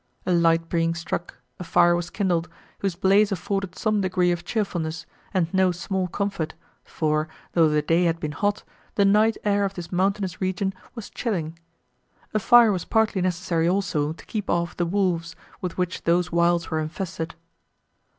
A light being struck, a fire was kindled, whose blaze afforded some degree of cheerfulness, and no small comfort, for, though the day had been hot, the night air of this mountainous region was chilling; a fire was partly necessary also to keep off the wolves, with which those wilds were infested.